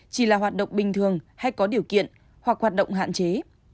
chỉ là hoạt động bình thường hay có điều kiện hoặc hoạt động hạn chế